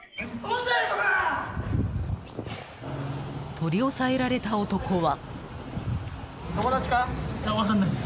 取り押さえられた男は。